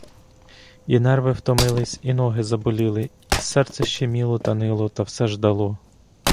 І нерви втомились, і ноги заболіли, і серце щеміло та нило та все ждало.